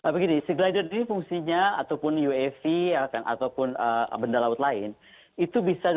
begini seglider ini fungsinya ataupun uav ataupun benda laut lain itu bisa dua fungsi